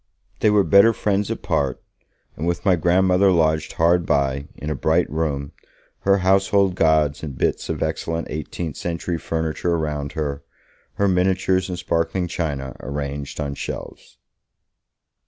They were better friends apart, with my grandmother lodged hard by, in a bright room, her household gods and bits of excellent eighteenth century furniture around her, her miniatures and sparkling china arranged on shelves.